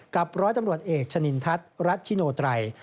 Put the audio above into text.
ร้อยตำรวจเอกชะนินทัศน์รัชชิโนไตร